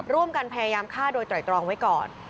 ร่วมกันพยายามฆ่าโดยไตรตรองไว้ก่อน